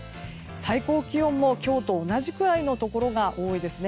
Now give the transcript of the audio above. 最高気温も今日と同じくらいのところが多いですね。